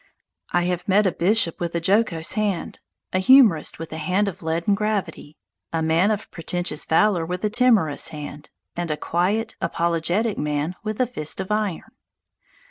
I have met a bishop with a jocose hand, a humourist with a hand of leaden gravity, a man of pretentious valour with a timorous hand, and a quiet, apologetic man with a fist of iron.